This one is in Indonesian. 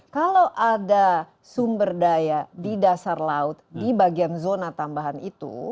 kalau ada sumber daya di dasar laut di bagian zona tambahan itu